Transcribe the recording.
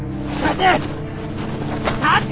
立て！